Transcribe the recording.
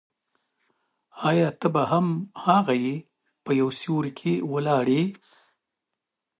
آیا ته به هم هغه یې په یو سیوري کې ولاړ یې.